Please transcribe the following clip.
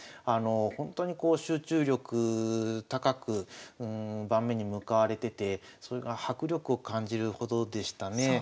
ほんとにこう集中力高く盤面に向かわれててそれが迫力を感じるほどでしたね。